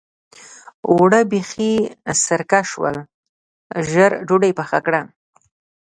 اوړه بېخي سرکه شول؛ ژر ډودۍ پخه کړه.